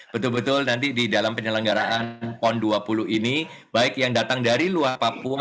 betul betul nanti di dalam penyelenggaraan pon dua puluh ini baik yang datang dari luar papua